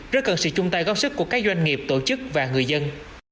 tổ chức của các doanh nghiệp tổ chức và người dân